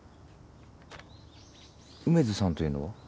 梅津さんというのは？